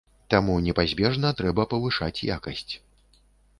Таму непазбежна трэба павышаць якасць.